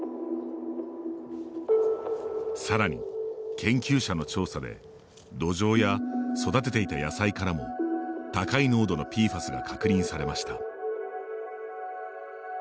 さらに、研究者の調査で土壌や育てていた野菜からも高い濃度のＰＦＡＳが確認されました。